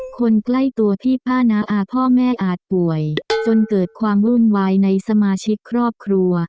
คนใกล้ตัวพี่ผ้านาอาพ่อแม่อาจป่วยจนเกิดความวุ่นวายในสมาชิกครอบครัว